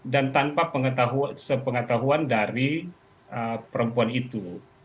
dan tanpa pengetahuan dari perempuan itu